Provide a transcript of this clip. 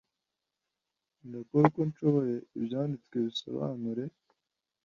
ndakora uko nshoboye ibyanditswe bisobanure